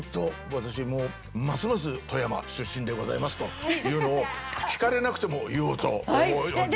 私もうますます富山出身でございますというのを聞かれなくても言おうと思うように。